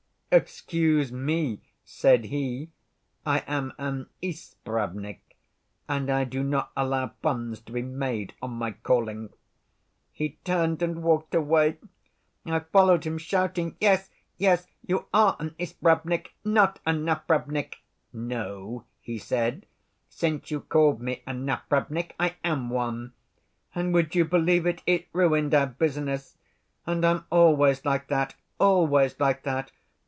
'Excuse me,' said he, 'I am an Ispravnik, and I do not allow puns to be made on my calling.' He turned and walked away. I followed him, shouting, 'Yes, yes, you are an Ispravnik, not a Napravnik.' 'No,' he said, 'since you called me a Napravnik I am one.' And would you believe it, it ruined our business! And I'm always like that, always like that.